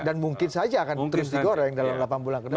dan mungkin saja akan terus digoreng dalam delapan bulan kedua